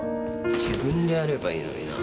自分でやればいいのになぁ。